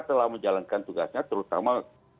telah menjalankan tugasnya terutama